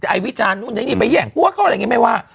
ไอวิจารไปแย่งกัวเขาอะไรแบบนี้ไม่ว่า